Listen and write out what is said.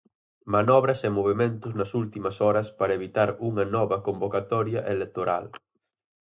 Manobras e movementos nas últimas horas para evitar unha nova convocatoria electoral.